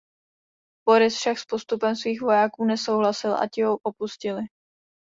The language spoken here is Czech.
Boris však s postupem svých vojáků nesouhlasil a ti ho opustili.